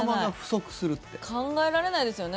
考えられないですよね。